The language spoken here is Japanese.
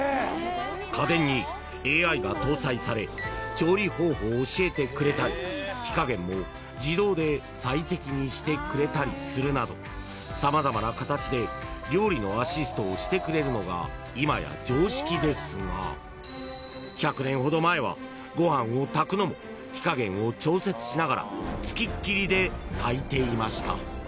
［調理方法を教えてくれたり火加減も自動で最適にしてくれたりするなど様々な形で料理のアシストをしてくれるのが今や常識ですが１００年ほど前はご飯を炊くのも火加減を調節しながらつきっきりで炊いていました］